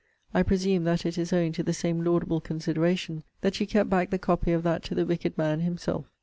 I presume, that it is owing to the same laudable consideration, that you kept back the copy of that to the wicked man himself.